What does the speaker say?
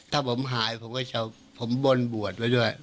ถ้าผมหายผมก็จะผมบนบวชไว้ด้วย